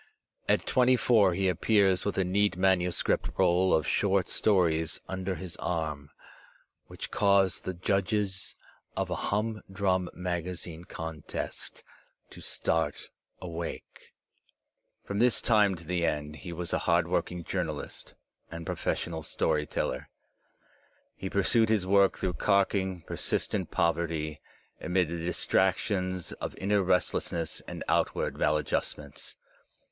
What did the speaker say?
At twenty four he appears with a neat manuscript roll of short stories under his arm, which cause the judges of a humdrum magazine contest to start awake. From this time to the end he was a hard working jour nalist and professional story teller. He pursued his work through carking, persistent poverty, amid the distractions of inner restlessness and outward maladjustments.